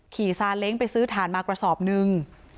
ซาเล้งไปซื้อถ่านมากระสอบนึง